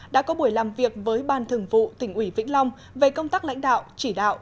đã có buổi làm việc với ban thường vụ tỉnh ủy vĩnh long về công tác lãnh đạo chỉ đạo